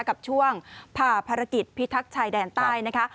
กับช่วงผ่าภารกิจพิทักษ์ชายแดนใต้นะคะ